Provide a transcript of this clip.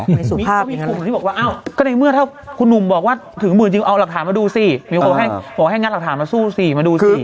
มีก็มีกลุ่มที่บอกว่าอ้าวก็ในเมื่อถ้าคุณหนุ่มบอกว่าถือมือจริงเอาหลักฐานมาดูสิมีคนบอกให้งัดหลักฐานมาสู้สิมาดูสิ